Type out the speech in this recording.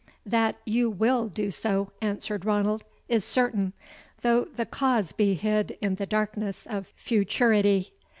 "That you WILL do so," answered Ranald, "is certain, though the cause be hid in the darkness of futurity.